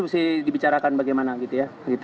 mesti dibicarakan bagaimana gitu ya